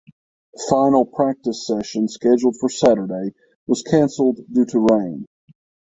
Final practice session scheduled for Saturday was cancelled due to rain.